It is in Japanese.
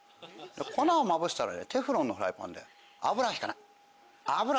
粉をまぶしたらテフロンのフライパンで油はひかない。